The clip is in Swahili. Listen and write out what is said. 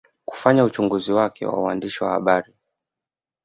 Kufanya uchunguzi wake wa uandishi wa habari